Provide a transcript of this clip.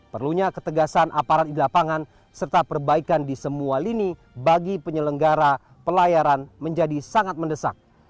perlunya ketegasan aparat di lapangan serta perbaikan di semua lini bagi penyelenggara pelayaran menjadi sangat mendesak